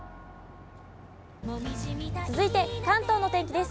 続いて関東の天気です。